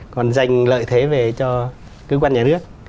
còn dành lợi thế về cho cơ quan nhà nước